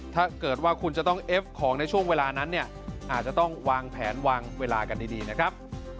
ถ้าเกิดว่าคุณจะต้องเอฟของในช่วงเวลานั้นเนี่ยอาจจะต้องวางแผนวางเวลากันดีนะครับ